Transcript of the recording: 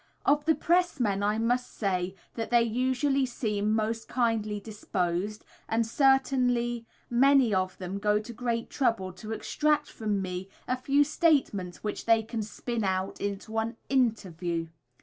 Of the press men I must say that they usually seem most kindly disposed, and certainly many of them go to great trouble to extract from me a few statements which they can spin out into an "interview."